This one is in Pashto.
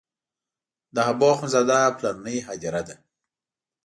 د حبو اخند زاده پلرنۍ هدیره ده.